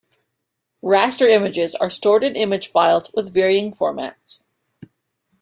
Raster images are stored in image files with varying formats.